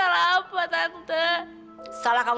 makanya kamu harus banyak untuk semua kesalahan kamu